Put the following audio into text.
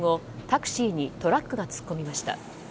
タクシーにトラックが突っ込みました。